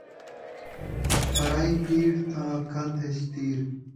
پرائی پیڑ تاں کندھ ءِچ تیر